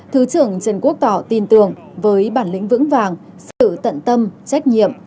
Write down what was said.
thứ trưởng trần quốc tỏ tin tưởng với bản lĩnh vững vàng sự tận tâm trách nhiệm